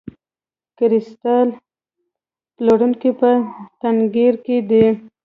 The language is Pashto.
کریستال پلورونکی په تنګیر کې دی.